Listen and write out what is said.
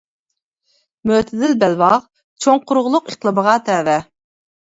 مۆتىدىل بەلباغ چوڭ قۇرۇقلۇق ئىقلىمىغا تەۋە.